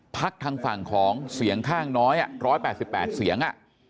ภักดิ์ทางฝั่งของเสียงข้างน้อยอย่าง๑๘๘เสียง